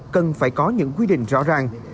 cần phải có những quy định rõ ràng